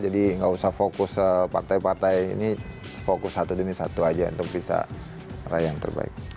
jadi nggak usah fokus partai partai ini fokus satu demi satu aja untuk bisa raya yang terbaik